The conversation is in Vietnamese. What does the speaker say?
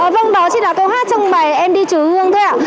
vâng đó chính là câu hát trong bài em đi chứa hương thôi ạ